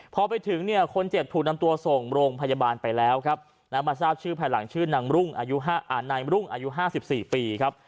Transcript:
พอไปถึงเนี่ยคนเจ็บถูกนำตัวส่งโรงพยาบาลไปแล้วครับมาทราบชื่อภายหลังชื่อนางรุ่งอายุนายรุ่งอายุ๕๔ปีครับ